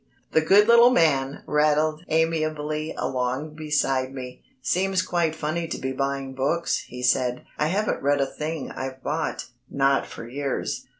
The good little man rattled amiably along beside me. "Seems quite funny to be buying books," he said. "I haven't read a thing I've bought, not for years."